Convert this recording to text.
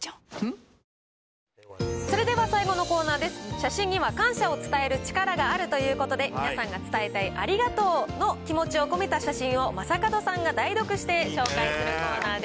写真には感謝を伝える力があるということで、皆さんが伝えたいありがとうの気持ちを込めた写真を正門さんが代お願いします。